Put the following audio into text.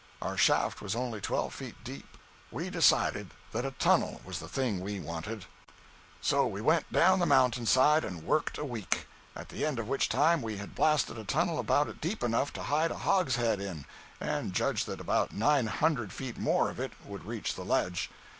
Our shaft was only twelve feet deep. We decided that a tunnel was the thing we wanted. 212.jpg (89K) So we went down the mountain side and worked a week; at the end of which time we had blasted a tunnel about deep enough to hide a hogshead in, and judged that about nine hundred feet more of it would reach the ledge.